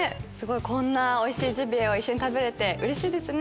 こんなおいしいジビエを一緒に食べれてうれしいですね。